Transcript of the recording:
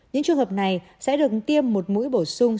những trường hợp này sẽ được tiêm một mũi bổ sung